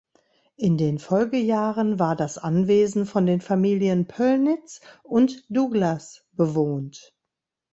In den Folgejahren war das Anwesen von den Familien Pöllnitz und Douglass bewohnt.